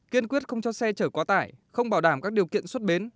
kiên quyết không cho xe chở quá tải không bảo đảm các điều kiện xuất bến